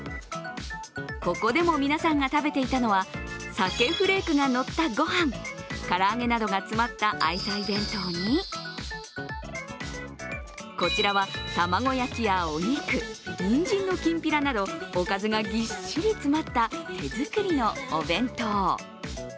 ここでも、皆さんが食べていたのは鮭フレークがのったご飯、唐揚げなどが詰まった愛妻弁当にこちらは卵焼きやお肉にんじんのきんぴらなどおかずがぎっしり詰まった手作りのお弁当。